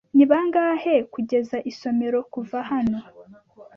Ni bangahe kugeza isomero kuva hano?